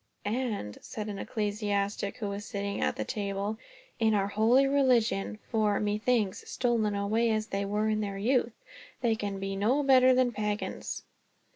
"And," said an ecclesiastic who was sitting at the table, "in our holy religion; for methinks, stolen away as they were in their youth, they can be no better than pagans."